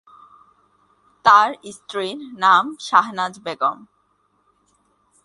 তার স্ত্রীর নাম শাহনাজ বেগম।